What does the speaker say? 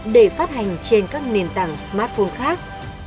để phát hành trên các nền tảng smartphone khác